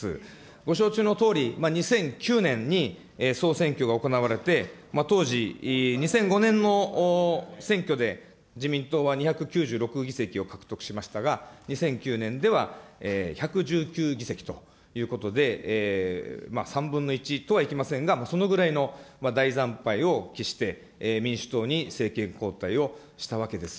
ご承知のとおり、２００９年に総選挙が行われて、当時、２００５年の選挙で自民党は２９６議席を獲得しましたが、２００９年では１１９議席ということで、３分の１とはいきませんが、そのぐらいの大惨敗を喫して民主党に政権交代をしたわけです。